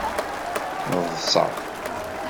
Neḍsa.